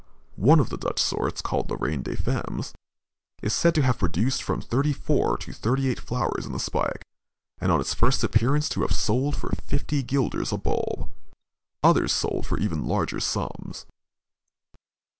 One of the Dutch sorts, called La Reine de Femmes, is said to have produced from thirty four to thirty eight flowers in a spike, and on its first appearance to have sold for fifty guilders a bulb. Others sold for even larger sums.